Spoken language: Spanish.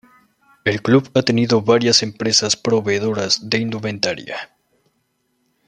El club ha tenido varias empresas proveedoras de indumentaria.